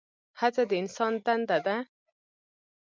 هڅه د انسان دنده ده؟